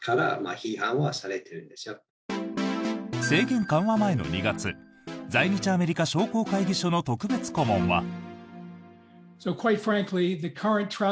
制限緩和前の２月在日アメリカ商工会議所の特別顧問は。